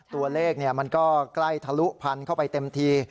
ตัวเลขมันก็ใกล้ทะลุพันธุ์เข้าไปเต็มที